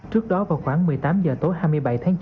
trước đó vào khoảng một mươi tám h tối hai mươi bảy tháng chín